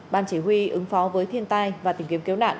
ban chỉ huy ứng phó với thiên tai và tìm kiếm cứu nạn